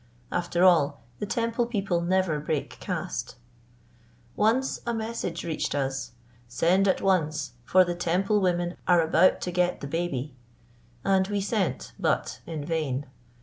After all, the Temple people never break caste. Once a message reached us: "Send at once, for the Temple women are about to get the baby"; and we sent, but in vain.